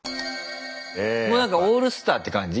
もうなんかオールスターって感じ？